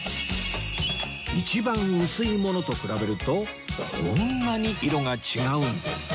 一番薄いものと比べるとこんなに色が違うんです